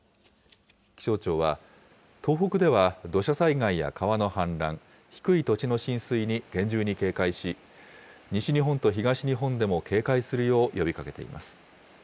気象庁は、東北では土砂災害や川の氾濫、低い土地の浸水に厳重に警戒し、西日本と東日本でも警戒するよう呼びかけています。